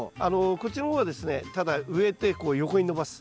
こっちの方はですねただ植えてこう横に伸ばす。